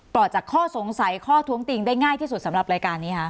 รอดจากข้อสงสัยข้อท้วงติงได้ง่ายที่สุดสำหรับรายการนี้ค่ะ